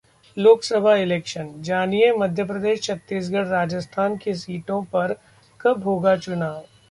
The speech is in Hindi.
Lok Sabha Election: जानिए मध्यप्रदेश-छत्तीसगढ़-राजस्थान की सीटों पर कब होगा चुनाव